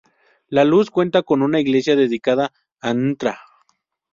La Luz cuenta con una iglesia dedicada a Ntra.